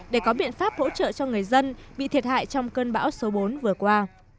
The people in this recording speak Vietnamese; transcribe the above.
để có biện pháp hỗ trợ cho người dân bị thiệt hại trong cơn bão số bốn vừa qua